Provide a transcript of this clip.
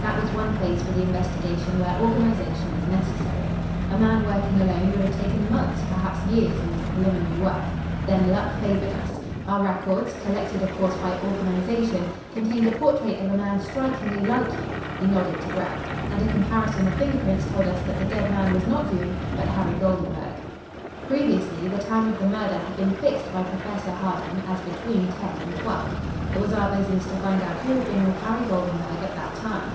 That was one phase for the investigation where organisation was necessary. A man working alone would have taken months, perhaps years, in this preliminary work. Then luck favoured us. Our records collected, of course, by organisation contained a portrait of a man strikingly like you" he nodded to Grell "and a comparison of finger prints told us that the dead man was not you, but Harry Goldenburg. "Previously, the time of the murder had been fixed by Professor Harding as between ten and twelve. It was our business to find out who had been with Harry Goldenburg at that time.